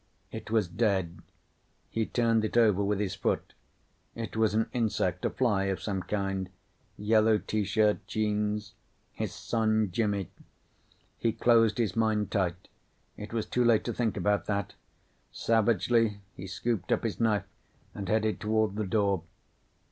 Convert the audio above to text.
It was dead. He turned it over with his foot. It was an insect, a fly of some kind. Yellow T shirt, jeans. His son Jimmy.... He closed his mind tight. It was too late to think about that. Savagely he scooped up his knife and headed toward the door.